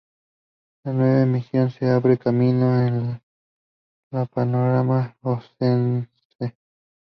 La nueva emisora se abre camino en el panorama oscense.